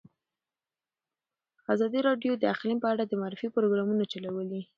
ازادي راډیو د اقلیم په اړه د معارفې پروګرامونه چلولي.